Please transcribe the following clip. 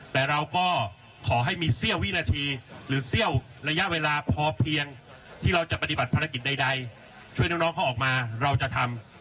แต่เราก็ขอให้มีเสี้ยววินาทีหรือเสี้ยวระยะเวลาพอเพียงที่เราจะปฏิบัติภารกิจใดช่วยน้องเขาออกมาเราจะทำ